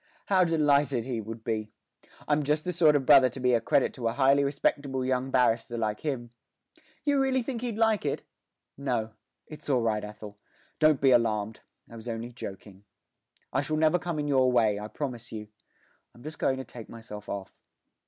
'How delighted he would be! I'm just the sort of brother to be a credit to a highly respectable young barrister like him. You really think he'd like it? No; it's all right, Ethel; don't be alarmed: I was only joking. I shall never come in your way, I promise you. I'm just going to take myself off.'